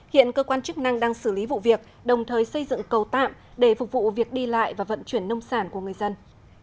hiện cơ quan chức năng đang xử lý vụ việc đồng thời xây dựng cầu tạm để phục vụ việc đi lại và vận chuyển nông sản của người dân